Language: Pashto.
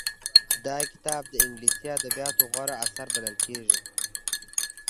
دا کتاب د انګليسي ادبياتو غوره اثر بلل کېږي.